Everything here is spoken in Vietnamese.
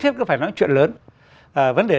thiếp có phải nói chuyện lớn vấn đề